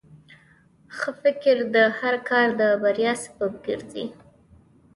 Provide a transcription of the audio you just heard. ښه فکر د هر کار د بریا سبب ګرځي.